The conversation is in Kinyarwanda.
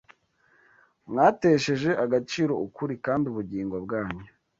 mwatesheje agaciro ukuri, kandi ubugingo bwanyu